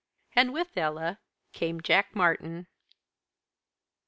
And with Ella came Jack Martyn.